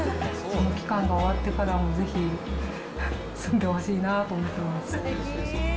その期間が終わってからも、ぜひ、住んでほしいなと思ってます。